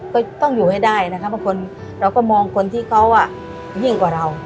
ก็ต้องอยู่ให้ได้นะคะบางคนเราก็มองคนที่เขายิ่งกว่าเรา